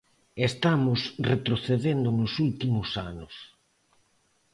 E estamos retrocedendo nos últimos anos.